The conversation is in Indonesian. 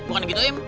bukan begitu im